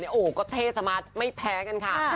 โอ้โหก็เท่สมาร์ทไม่แพ้กันค่ะ